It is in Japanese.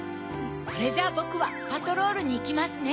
それじゃぼくはパトロールにいきますね。